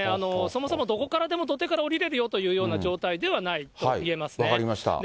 そもそもどこからでも土手に下りれるよというような状態ではない分かりました。